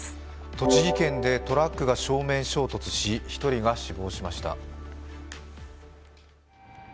栃木県でトラックが正面衝突し、１人が死亡しました。